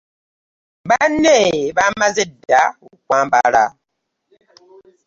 Banne baamaze dda okwambala.